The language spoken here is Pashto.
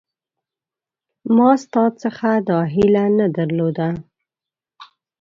ما ستا څخه دا هیله نه درلوده